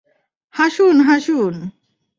হাসুন, হাসুন।